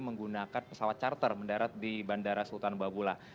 menggunakan pesawat charter mendarat di bandara sultan babula